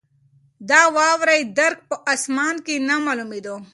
د واورې درک په اسمان کې نه معلومېده.